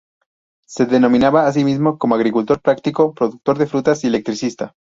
Se denominaba a sí mismo como ""agricultor práctico, productor de frutas y electricista"".